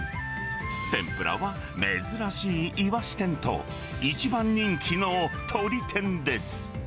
天ぷらは珍しいイワシ天と、一番人気の鶏天です。